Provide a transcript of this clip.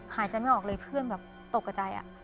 หายใจไม่ออกเลยเพื่อนแบบตกกระใจ